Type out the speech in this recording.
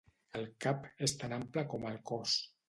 El cap és tan ample com el cos.